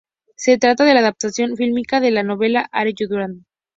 Se trata de la adaptación fílmica de la novela "Are You Addicted?